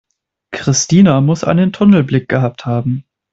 Christina muss einen Tunnelblick gehabt haben.